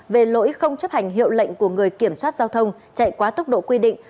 về lỗi không chấp hành hiệu lệnh của người kiểm soát giao thông chạy quá tốc độ quy định